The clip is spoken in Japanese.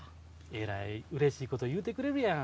えらいうれしいこと言うてくれるやん。